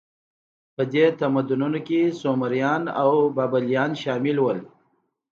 په دې تمدنونو کې سومریان او بابلیان شامل وو.